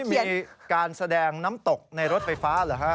มีการแสดงน้ำตกในรถไฟฟ้าเหรอฮะ